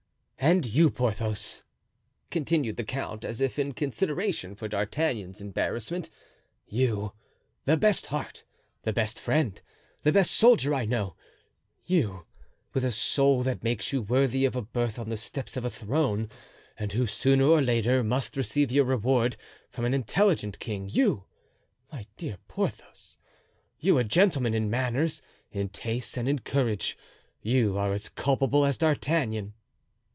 "And you, Porthos," continued the count, as if in consideration for D'Artagnan's embarrassment, "you, the best heart, the best friend, the best soldier that I know—you, with a soul that makes you worthy of a birth on the steps of a throne, and who, sooner or later, must receive your reward from an intelligent king—you, my dear Porthos, you, a gentleman in manners, in tastes and in courage, you are as culpable as D'Artagnan."